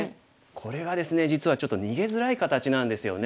これがですね実はちょっと逃げづらい形なんですよね。